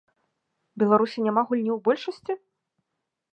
Беларусі няма гульні ў большасці?